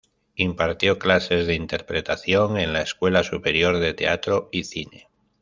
Impartió clases de interpretación en la Escuela Superior de Teatro y Cine.